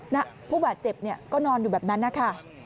ผู้บาดเจ็บก็นอนอยู่แบบนั้นนะคะ